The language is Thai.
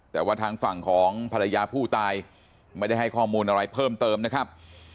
แต่ว่าทางฝั่งของภรรยาผู้ตายไม่ได้ให้ข้อมูลอะไรเพิ่มเติมนะครับ